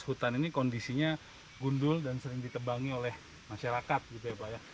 hutan ini kondisinya gundul dan sering ditebangi oleh masyarakat gitu ya pak ya